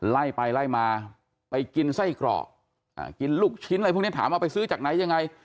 ไล่ไปไล่มาไปกินไส้กรอกกินลูกชิ้นอะไรพวกนี้ถามว่าไปซื้อจากไหนยังไง